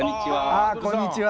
あこんにちは。